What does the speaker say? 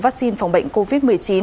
vaccine phòng bệnh covid một mươi chín